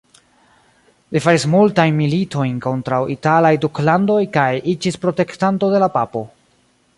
Li faris multajn militojn kontraŭ italaj duklandoj kaj iĝis protektanto de la papo.